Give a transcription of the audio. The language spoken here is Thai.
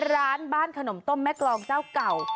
ร้านบ้านขนมต้มแม่กรองเจ้าเก่า